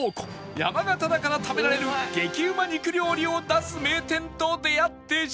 山形だから食べられる激うま肉料理を出す名店と出会ってしまう